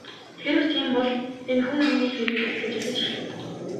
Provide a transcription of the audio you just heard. Хэрэв тийм бол энэ хүн амины хэрэг гэж сэжиглэж эхэлнэ.